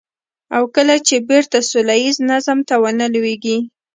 او کله چې بېرته سوله ييز نظم ته ونه لوېږي.